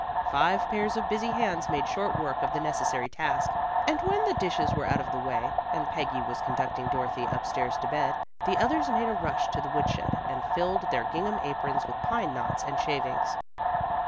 Five pairs of busy hands made short work of the necessary task, and when the dishes were out of the way, and Peggy was conducting Dorothy up stairs to bed, the others made a rush to the woodshed and filled their gingham aprons with pine knots and shavings.